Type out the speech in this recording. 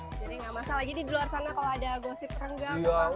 jadi gak masalah jadi di luar sana kalau ada gosip enggak mau tau